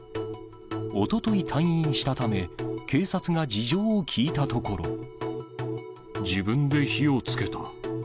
おととい退院したため、自分で火をつけた。